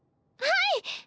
はい。